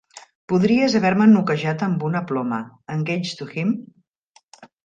Podries haver-me noquejat amb una ploma. "Engaged to him?".